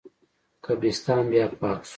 قبرستان بیا پاک شو.